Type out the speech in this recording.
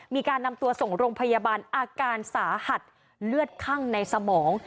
มีการนำตัวส่งโรงพยาบาลอาการสาหัสเลือดคั่งในสมอง